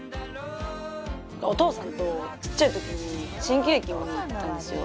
お父さんとちっちゃい時に新喜劇を見に行ってたんですよ。